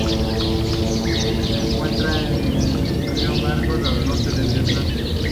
Se encuentra en la cuenca del río Mekong y al norte de Vietnam.